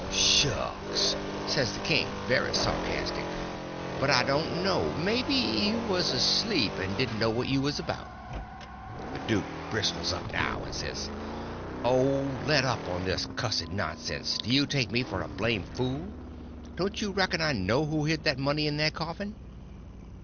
"Shucks!" says the king, very sarcastic; "but I don't know—maybe you was asleep, and didn't know what you was about." The duke bristles up now, and says: "Oh, let up on this cussed nonsense; do you take me for a blame' fool? Don't you reckon I know who hid that money in that coffin?"